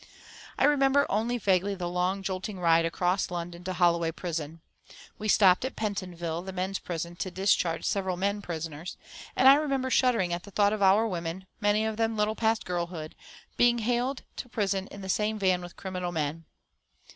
I remember only vaguely the long, jolting ride across London to Holloway Prison. We stopped at Pentonville, the men's prison, to discharge several men prisoners, and I remember shuddering at the thought of our women, many of them little past girlhood, being haled to prison in the same van with criminal men.